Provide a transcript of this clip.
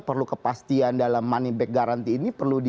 perlu kepastian dalam money back guarantee ini